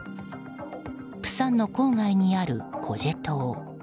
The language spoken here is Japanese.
プサンの郊外にあるコジェ島。